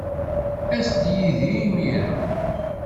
As-d yid-i imir-a.